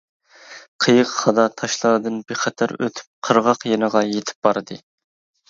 قېيىق خادا تاشلاردىن بىخەتەر ئۆتۈپ قىرغاق يېنىغا يىتىپ باردى.